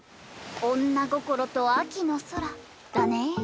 女心と秋の空だね。